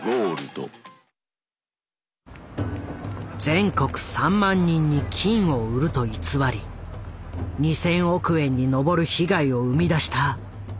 全国３万人に「金」を売ると偽り２，０００億円に上る被害を生み出した豊田商事。